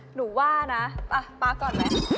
หนูว่านะป๊าก่อนไหม